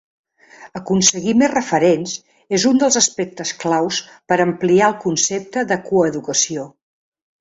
Aconseguir més referents és un dels aspectes claus per a ampliar el concepte de coeducació.